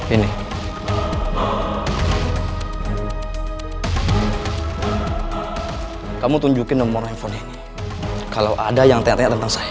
ini kamu tunjukin nomor handphone ini kalau ada yang tanya tanya tentang saya